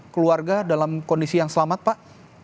keluarga dalam kondisi yang selamat pak